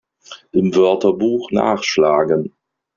Im Wörterbuch nachschlagen!